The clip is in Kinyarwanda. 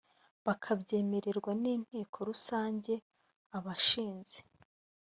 bakabyemererwa n inteko rusange abashinze